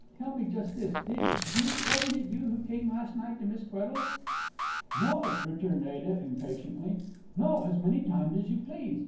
Tell me just this: did you wasn't it you who came last night to Miss Tweddle's?" "No!" returned Ada, impatiently "no, as many times as you please!